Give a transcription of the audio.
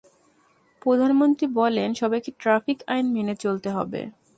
প্রধানমন্ত্রী বলেন, সবাইকে ট্রাফিক আইন মেনে চলতে হবে।